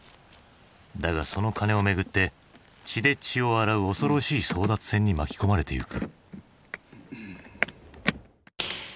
だがそのカネをめぐって血で血を洗う恐ろしい争奪戦に巻き込まれてゆく。